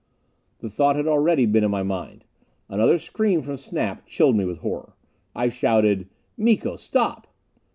The thought had already been in my mind. Another scream from Snap chilled me with horror. I shouted, "Miko! Stop!"